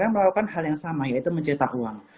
melakukan hal yang sama yaitu mencetak uang